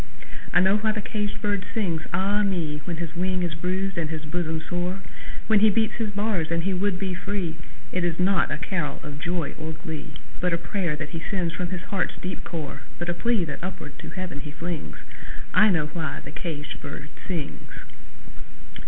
I know why the caged bird sings, ah me, When his wing is bruised and his bosom sore, When he beats his bars and he would be free; It is not a carol of joy or glee, But a prayer that he sends from his heart's deep core, But a plea, that upward to Heaven he flings I know why the caged bird sings!